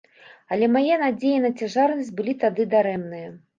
Але мае надзеі на цяжарнасць былі тады дарэмныя.